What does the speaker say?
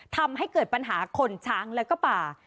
ทำให้เกิดปัญหาขนช้างแล้วก็ป่า